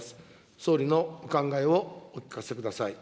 総理のお考えをお聞かせください。